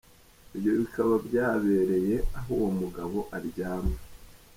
Ibyo bikaba byabereye aho uwo mugabo aryama.